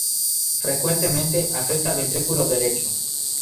Frecuentemente afecta al ventrículo derecho.